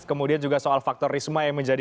kemudian juga soal faktor risma yang menjadi